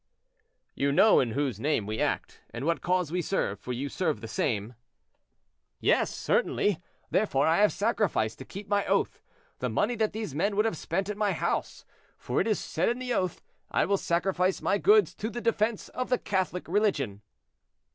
"You know in whose name we act, and what cause we serve: for you serve the same." "Yes, certainly; therefore, I have sacrificed, to keep my oath, the money that these men would have spent at my house; for it is said in the oath, 'I will sacrifice my goods to the defense of the Catholic religion.'"